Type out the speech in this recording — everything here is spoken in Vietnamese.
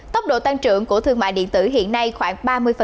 tốc độ tăng trưởng của thương mại điện tử hiện nay khoảng ba mươi